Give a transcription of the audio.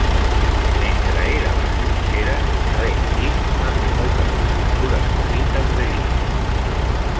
Mentre era a les trinxeres, Reid Dick va fer moltes escultures petites de guix.